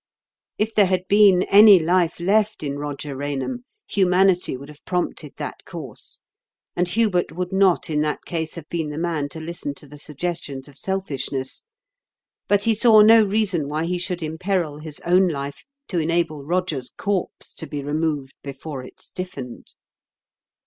If there had been any life left in Eoger Eain ham, humanity would have prompted that course, and Hubert would not in that case have been the man to listen to the suggestions of selfishness; but he saw no reason why he should imperil his own life to enable Eoger's corpse to be removed before it stiffened.